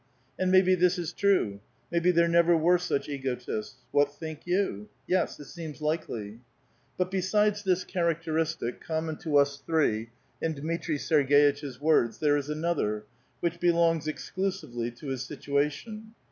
And maybe this is true ; maybe there never were such egotists. What think you? Yes ; it seems likely. But besides this characteristic, common to us three, in Dmitri Serg^itch's words there is another, which belongs ex clusively to his situation.